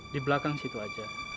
di belakang situ aja